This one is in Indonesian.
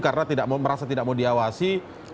karena tidak mau merasa tidak mau diawasi